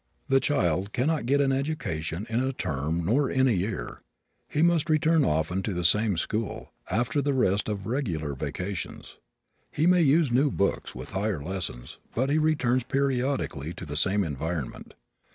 The child cannot get an education in a term nor in a year. He must return often to the same school, after the rest of regular vacations. He may use new books with higher lessons but he returns periodically to the same environment.